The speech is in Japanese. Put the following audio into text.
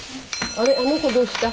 あの子どうした？